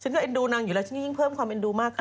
ฉันก็เอ็นดูนางอยู่แล้วฉันยิ่งเพิ่มความเอ็นดูมากขึ้น